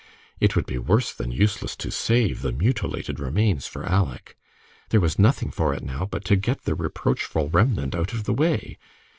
It would be worse than useless to save the mutilated remains for Aleck; there was nothing for it now but to get the reproachful remnant out of the way.